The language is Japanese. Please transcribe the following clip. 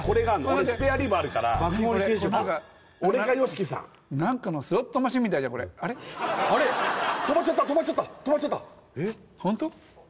俺スペアリブあるから俺かＹＯＳＨＩＫＩさんなんかのスロットマシンみたいじゃんこれ止まっちゃった止まっちゃった止まっちゃったホント？